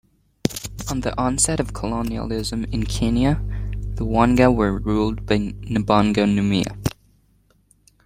On the onset of colonialism in Kenya, the Wanga were ruled by Nabongo Mumia.